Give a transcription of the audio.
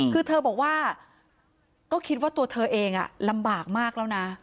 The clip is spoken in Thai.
คือเธอบอกว่าก็คิดว่าตัวเธอเองลำบากมากแล้วนะ